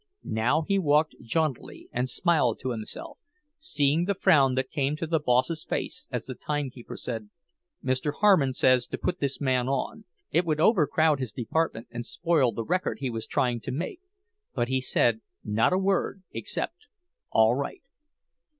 Now he walked jauntily, and smiled to himself, seeing the frown that came to the boss's face as the timekeeper said, "Mr. Harmon says to put this man on." It would overcrowd his department and spoil the record he was trying to make—but he said not a word except "All right."